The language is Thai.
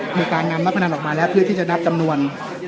มีการนำนักพนันออกมาแล้วเพื่อที่จะนับจำนวน